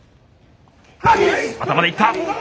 頭でいった。